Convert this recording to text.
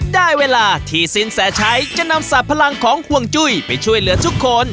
ได้เวลาที่สินแสชัยจะนำสาบพลังของห่วงจุ้ยไปช่วยเหลือทุกคน